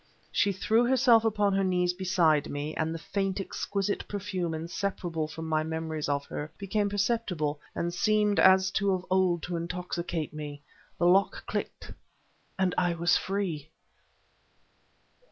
She threw herself upon her knees beside me, and the faint exquisite perfume inseparable from my memories of her, became perceptible, and seemed as of old to intoxicate me. The lock clicked... and I was free.